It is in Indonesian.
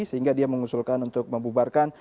sehingga dia mengusulkan untuk membubarkan